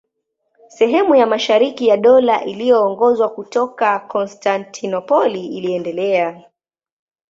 Sehemu ya mashariki ya Dola iliyoongozwa kutoka Konstantinopoli iliendelea.